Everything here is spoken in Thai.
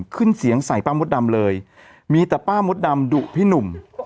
ขึ้นเสียงใส่ป้ามดดำเลยมีแต่ป้ามดดำดุพี่หนุ่ม